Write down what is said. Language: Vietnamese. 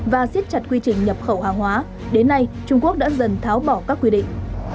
và xiết chặt quy trình nhập khẩu hàng hóa đến nay trung quốc đã dần tháo bỏ các quy định